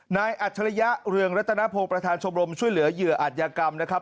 อัจฉริยะเรืองรัตนโพประธานชมรมช่วยเหลือเหยื่ออาจยากรรมนะครับ